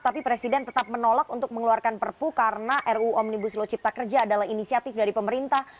tapi presiden tetap menolak untuk mengeluarkan perpu karena ruu omnibus law cipta kerja adalah inisiatif dari pemerintah